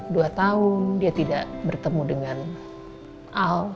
dua tahun dia tidak bertemu dengan al